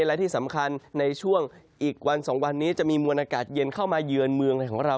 และที่สำคัญในช่วงอีกวัน๒วันนี้จะมีมวลอากาศเย็นเข้ามาเยือนเมืองในของเรา